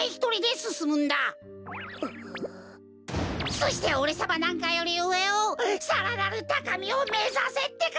そしておれさまなんかよりうえをさらなるたかみをめざせってか！